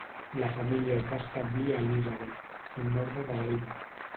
La família es va establir a Elizabeth, al nord d'Adelaida.